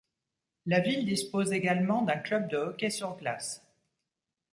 La ville dispose également d'un club de hockey sur glace.